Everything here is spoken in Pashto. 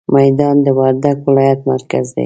ميدان د وردګ ولايت مرکز دی.